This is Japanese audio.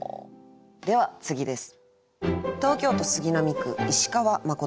では次です。